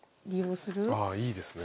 あいいですね。